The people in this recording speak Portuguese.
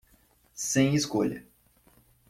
Sem escolha